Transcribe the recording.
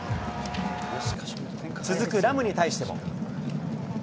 続くラムに対しても。